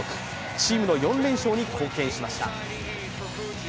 チームの４連勝に貢献しました。